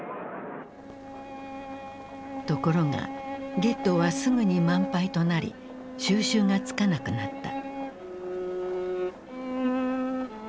ところがゲットーはすぐに満杯となり収拾がつかなくなった。